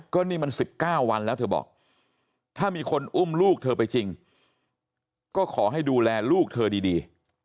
ก็นี่มัน๑๙วันแล้วเธอบอกถ้ามีคนอุ้มลูกเธอไปจริงก็ขอให้ดูแลลูกเธอดี